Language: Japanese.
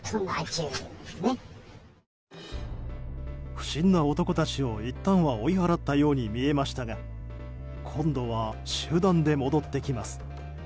不審な男たちをいったんは追い払ったように見えましたが今度は集団で戻ってきます。